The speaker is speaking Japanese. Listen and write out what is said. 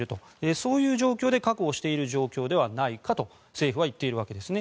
そういう状況で確保している状況ではないかと政府は言っているわけですね。